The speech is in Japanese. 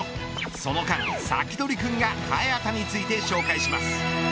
その間、サキドリくんが早田について紹介します。